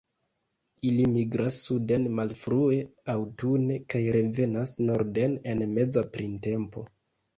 Ili migras suden malfrue aŭtune, kaj revenas norden en meza printempo.